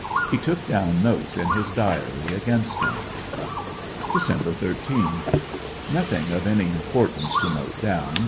He took down notes in his diary against him. Dec. 13. — Nothing of any importance to note down.